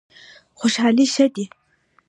خوشحالي ښه دی.